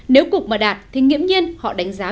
nếu cục mà đạt thì nghiễm nhiên họ đánh giá